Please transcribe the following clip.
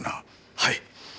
はい。